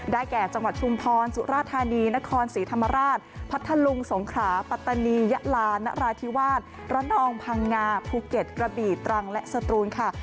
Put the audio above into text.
แก่จังหวัดชุมพรสุราธานีนครศรีธรรมราชพัทธลุงสงขราปัตตานียะลานราธิวาสระนองพังงาภูเก็ตกระบีตรังและสตรูนค่ะ